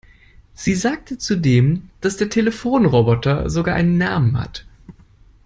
Sie sagte zudem, dass der Telefonroboter sogar einen Namen hat.